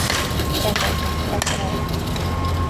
Get up — that's enough.